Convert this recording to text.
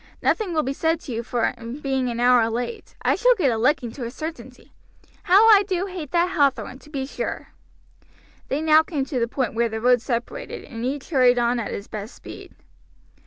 Nothing will be said to you for being an hour late. I shall get a licking to a certainty. How I do hate that Hathorn, to be sure!" They now came to the point where the road separated and each hurried on at his best speed.